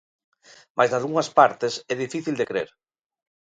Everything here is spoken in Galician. Mais nalgunhas partes é difícil de crer.